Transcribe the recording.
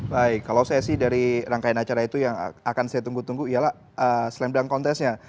baik kalau saya sih dari rangkaian acara itu yang akan saya tunggu tunggu ialah slam dunk contest nya